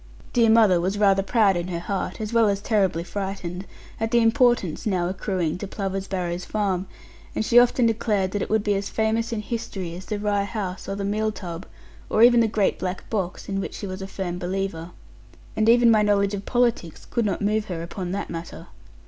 Dear mother was rather proud in her heart, as well as terribly frightened, at the importance now accruing to Plover's Barrows farm; and she often declared that it would be as famous in history as the Rye House, or the Meal tub, or even the great black box, in which she was a firm believer: and even my knowledge of politics could not move her upon that matter.